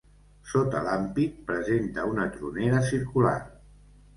Sota l'ampit presenta una tronera circular.